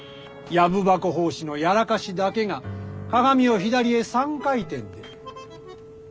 藪箱法師のやらかしだけが「鏡」を「左へ三回転」で。